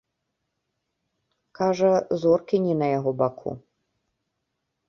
Кажа, зоркі не на яго баку.